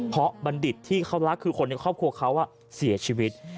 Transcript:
เพราะบัณฑิตที่เขารักคือคนในครอบครัวเขาเสียชีวิต